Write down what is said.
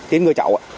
tiến ngươi cháu